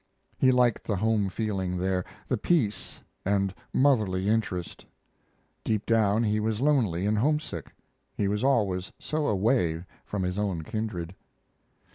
He liked the home feeling there the peace and motherly interest. Deep down, he was lonely and homesick; he was always so away from his own kindred.